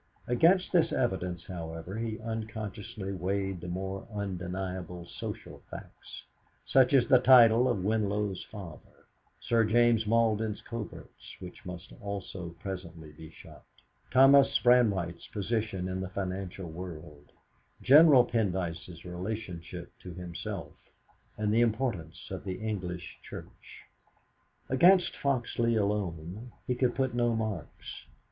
Against this evidence, however, he unconsciously weighed the more undeniable social facts, such as the title of Winlow's father; Sir James Malden's coverts, which must also presently be shot; Thomas Brandwhite's position in the financial world; General Pendyce's relationship to himself; and the importance of the English Church. Against Foxleigh alone he could put no marks.